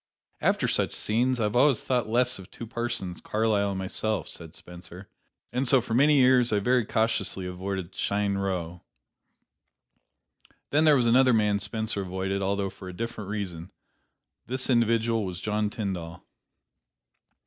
"After such scenes I always thought less of two persons, Carlyle and myself," said Spencer; "and so for many years I very cautiously avoided Cheyne Row." Then there was another man Spencer avoided, although for a different reason; this individual was John Tyndall.